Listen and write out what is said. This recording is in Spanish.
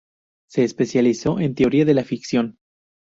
Se especializó en teoría de la ficción.